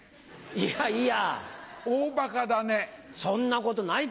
いやいや。